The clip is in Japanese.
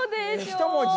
１文字？